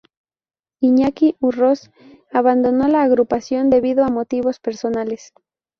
Iñaki Urroz, abandonó la agrupación debido a motivos personales.